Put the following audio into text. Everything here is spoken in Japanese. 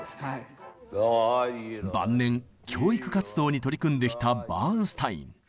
晩年教育活動に取り組んできたバーンスタイン。